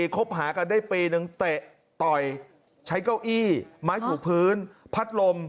คบหากันได้ปีนึงเตะต่อยใช้เก้าอี้ไม้ถูกพื้นพัดลม